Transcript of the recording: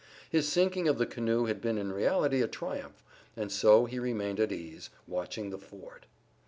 His sinking of the canoe had been in reality a triumph, and so he remained at ease, watching the ford.